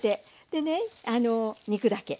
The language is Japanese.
でね肉だけ。